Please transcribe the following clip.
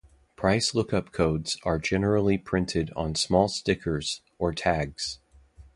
Price look-up codes are generally printed on small stickers or tags.